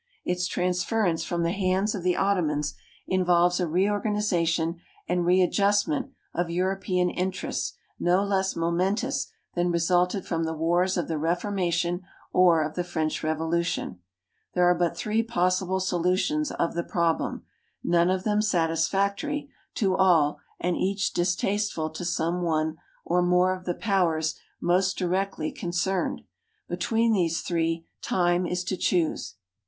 Its transfei'ence from the hands of the Ottomans involves a reorganization and readjustment of European interests no less momentous than resulted from the wars of the Reformation or of the French Revolution. There are but three possible solutions of the problem, none of them satisfactory to all and each dis tasteful to some one or more of the powers most directly concerned. Between these three time is to choose.